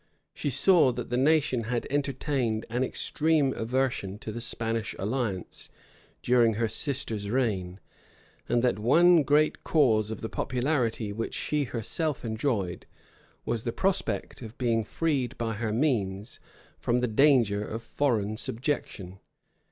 She saw that the nation had entertained an extreme aversion to the Spanish alliance during her sister's reign; and that one great cause of the popularity which she herself enjoyed, was the prospect of being freed by her means from the danger of foreign subjection.